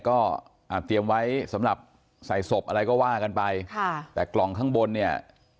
ก็อ่าเตรียมไว้สำหรับใส่ศพอะไรก็ว่ากันไปค่ะแต่กล่องข้างบนเนี่ย